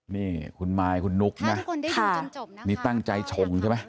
นี่คุณมายคุณนุ๊กนะนี่ตั้งใจชงใช่ไหม